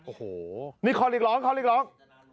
โอ้โหนี่ขอลีกร้องขอลีกร้อง